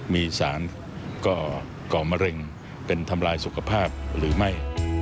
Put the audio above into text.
มีสารก่อมะเร็งเป็นทำลายสุขภาพหรือไม่